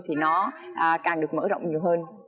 thì nó càng được mở rộng nhiều hơn